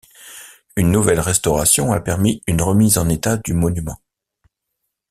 Une nouvelle restauration a permis une remise en état du monument.